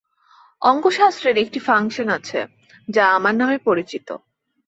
অঙ্কশাস্ত্রের একটি ফাংশান আছে, যা আমার নামে পরিচিত।